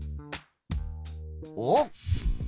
おっ！